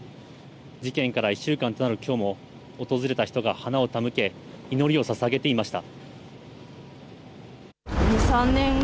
事件から１週間となるきょうも、訪れた人が花を手向け、祈りをささげていました。